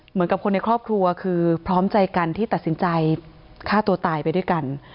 เหมือนกับคนในครอบครัวคือพร้อมใจกันที่ตัดสินใจฆ่าตัวตายไปด้วยกัน